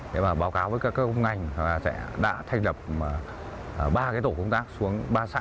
để báo cáo với các công ngành đã thành lập ba tổ công tác xuống ba xã